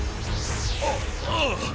あっああ